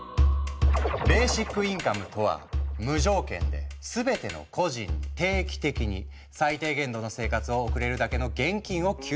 ベーシックインカムとは無条件で全ての個人に定期的に最低限度の生活を送れるだけの現金を給付する制度のこと。